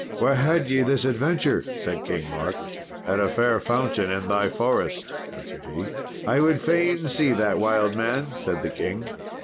"Where had ye this adventure?" said King Mark. "At a fair fountain in thy forest," answered he. "I would fain see that wild man," said the king.